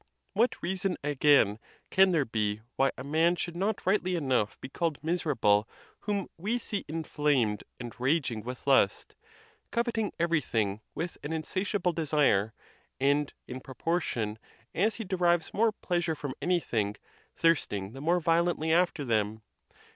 What reason, again, can there be why a man should not rightly enough be called miserable whom we see inflamed and raging with lust, coveting everything with an insatiable ~ desire, and, in proportion as he derives more pleasure from anything, thirsting the more violently after them?